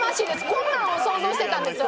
こんなんを想像してたんですよ